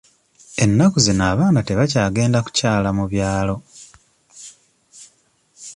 Ennaku zino abaana tebakyagenda kukyala mu byalo.